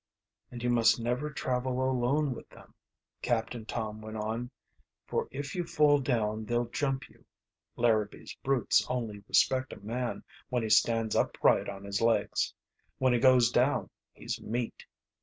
"And you must never travel alone with them," Captain Tom went on. "For if you fall down they'll jump you. Larabee's brutes only respect a man when he stands upright on his legs. When he goes down, he's meat.